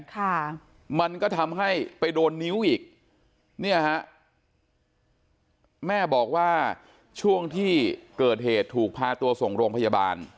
ค่ะมันก็ทำให้ไปโดนนิ้วอีกเนี่ยฮะแม่บอกว่าช่วงที่เกิดเหตุถูกพาตัวส่งโรงพยาบาล